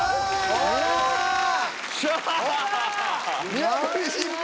見破り失敗！